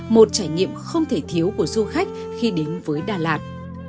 một trải nghiệm không thể thiếu của du khách khi đến với đà lạt